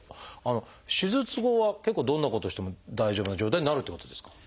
手術後は結構どんなことしても大丈夫な状態になるってことですか？